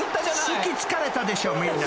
［隙つかれたでしょみんな］